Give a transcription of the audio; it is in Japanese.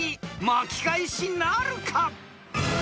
巻き返しなるか？］